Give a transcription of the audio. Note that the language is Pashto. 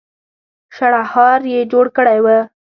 شړهار يې جوړ کړی و.